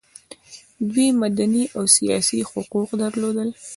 دوی مدني او سیاسي حقوق درلودل.